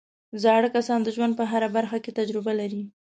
زاړه کسان د ژوند په هره برخه کې تجربه لري